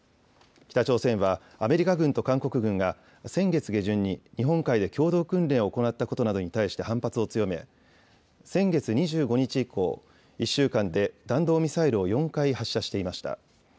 北朝鮮はアメリカ軍と韓国軍が先月下旬に、日本海で共同訓練を行ったことなどに対して反発を強め、先月２５日以降、１週間で弾道ミサイルを４回発射していました。